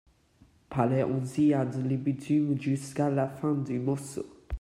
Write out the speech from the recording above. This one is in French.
Parler ainsi ad libitum jusqu'à la fin du morceau.